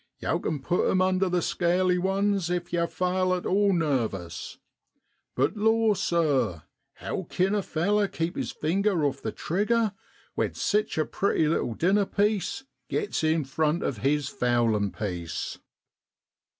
Yow can put 'em under the scaly ones if yow fale at all nervous ; but lor, sir, how kin a feller keep his finger off the trigger when sich a pretty little dinner piece gets in front of his fowlin' piece